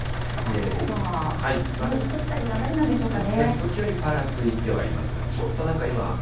雲は、降ったりやんだりなんでしょうかね。